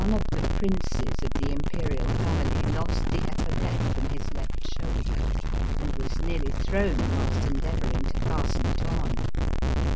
223 of the princes of the Imperial family lost the epaulette from his left shoulder, and was nearly thrown whilst endeavouring to fasten it on.